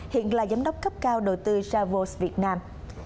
hiện là giám đốc cấp cao đầu tư travos việt nam